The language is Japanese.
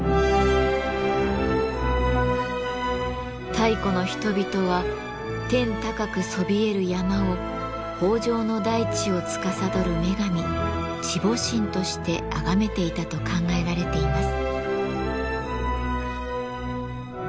太古の人々は天高くそびえる山を豊穣の大地をつかさどる女神地母神としてあがめていたと考えられています。